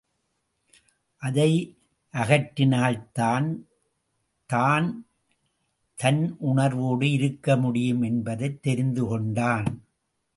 அதையகற்றினால்தான் தான் தன் உணர்வோடு இருக்கமுடியும் என்பதைத் தெரிந்து கொண்டான்.